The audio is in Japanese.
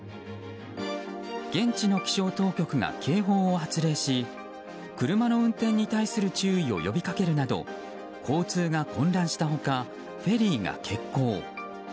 現地の気象当局が警報を発令し車の運転に対する注意を呼びかけるなど交通が混乱した他フェリーが欠航。